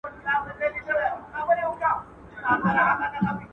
زه مخکي د کتابتون لپاره کار کړي وو.